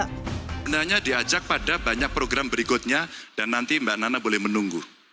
sebenarnya diajak pada banyak program berikutnya dan nanti mbak nana boleh menunggu